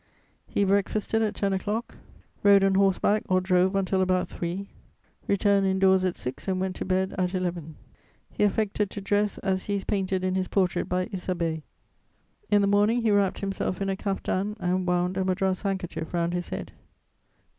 He breakfasted at ten o'clock, rode on horseback or drove until about three, returned indoors at six and went to bed at eleven. He affected to dress as he is painted in his portrait by Isabey: in the morning, he wrapped himself in a caftan and wound a Madras handkerchief round his head.